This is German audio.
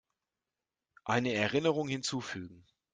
Eine Erinnerung hinzufügen.